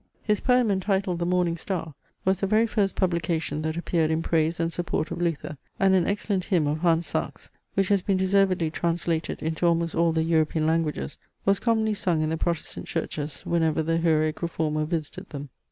His poem entitled THE MORNING STAR, was the very first publication that appeared in praise and support of Luther; and an excellent hymn of Hans Sachs, which has been deservedly translated into almost all the European languages, was commonly sung in the Protestant churches, whenever the heroic reformer visited them.